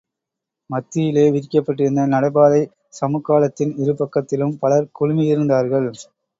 மத்தியிலே விரிக்கப்பட்டிருந்த நடை பாதைச் சமுக்காளத்தின் இருபக்கத்திலும் பலர் குழுமியிருந்தார்கள்.